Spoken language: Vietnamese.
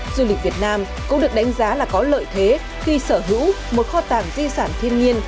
du lịch việt nam cũng được đánh giá là có lợi thế khi sở hữu một kho tàng di sản thiên nhiên